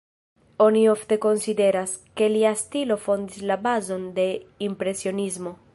Oni ofte konsideras, ke lia stilo fondis la bazon de impresionismo.